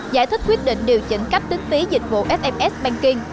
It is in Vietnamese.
giải thích quyết định điều chỉnh cách tính phí dịch vụ sms banking